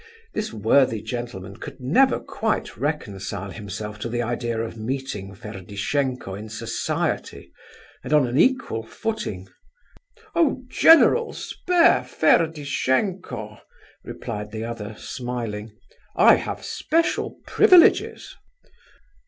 This worthy gentleman could never quite reconcile himself to the idea of meeting Ferdishenko in society, and on an equal footing. "Oh general, spare Ferdishenko!" replied the other, smiling. "I have special privileges."